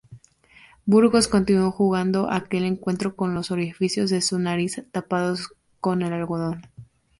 Burgos continuó jugando aquel encuentro con los orificios de su nariz tapados con algodón.